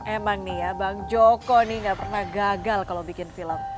emang nih ya bang joko nih gak pernah gagal kalau bikin film